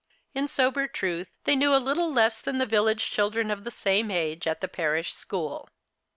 In sober truth, they knew a little less than the village children of the same age at the parish school.